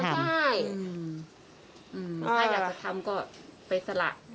ไม่สำควรจะทำอ๋อใช่อืมถ้าอยากจะทำก็ไปสละ